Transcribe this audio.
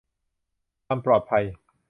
ความปลอดภัย